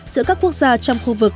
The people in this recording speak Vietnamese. giữa các quốc gia trong khu vực